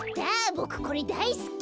ボクこれだいすき！